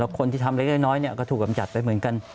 คนที่ทำเล็กน้อยก็ถูกกำจัดไปเหมือนกัน